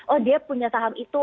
oh dia punya saham itu